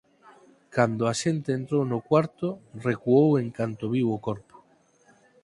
Cando o axente entrou no cuarto, recuou en canto viu o corpo.